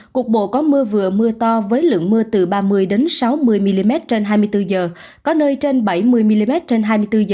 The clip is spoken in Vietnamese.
cục bộ có mưa vừa mưa to với lượng mưa từ ba mươi sáu mươi mm trên hai mươi bốn h có nơi trên bảy mươi mm trên hai mươi bốn h